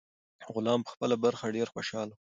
غلام په خپله برخه ډیر خوشاله و.